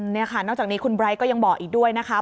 นี่ค่ะนอกจากนี้คุณไร้ก็ยังบอกอีกด้วยนะคะ